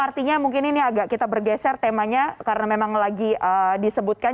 artinya mungkin ini agak kita bergeser temanya karena memang lagi disebutkan